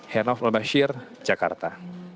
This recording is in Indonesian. hernaf mubashir jakarta